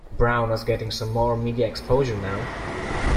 Brown was getting some more media exposure now.